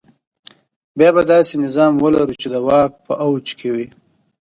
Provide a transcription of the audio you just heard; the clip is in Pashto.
بیا به داسې نظام ولرو چې د واک په اوج کې وي.